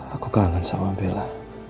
aku kangen sama bella